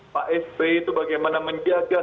pak sby itu bagaimana menjaga